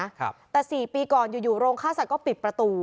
บ้านได้นะครับแต่สี่ปีก่อนอยู่อยู่โรงค่าศักดิ์ก็ปิดประตู